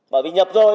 bởi vì nhập rồi